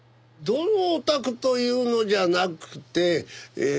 どのお宅というのじゃなくてええ